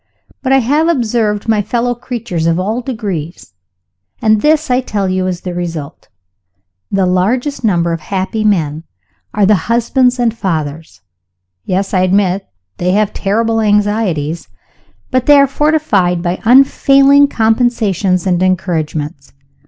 But I have observed my fellow creatures of all degrees and this, I tell you, is the result. The largest number of happy men are the husbands and fathers. Yes; I admit that they have terrible anxieties but they are fortified by unfailing compensations and encouragements.